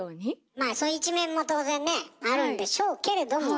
まあそういう一面も当然ねあるんでしょうけれども。